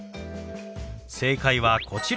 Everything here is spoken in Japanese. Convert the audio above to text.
正解はこちら。